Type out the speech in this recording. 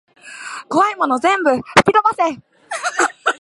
こわいもの全部ふきとばせ